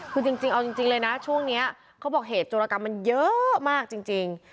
คือจริงเอาจริงเลยนะช่วงนี้เขาบอกเหตุโจรกรรมมันเยอะมากจริง